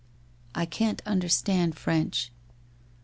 ' I can't under tand French.